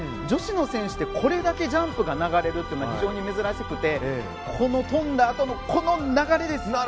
女子の選手ってこれだけジャンプが流れるのは非常に珍しくて跳んだあとのこの流れです。